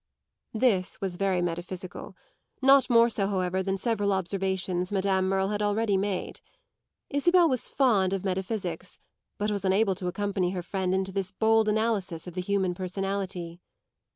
This was very metaphysical; not more so, however, than several observations Madame Merle had already made. Isabel was fond of metaphysics, but was unable to accompany her friend into this bold analysis of the human personality.